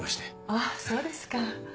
あっそうですか。